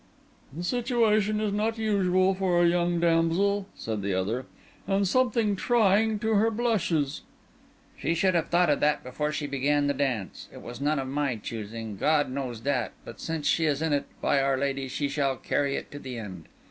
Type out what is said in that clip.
"The situation is not usual for a young damsel," said the other, "and somewhat trying to her blushes." "She should have thought of that before she began the dance. It was none of my choosing, God knows that: but since she is in it, by our Lady, she shall carry it to the end."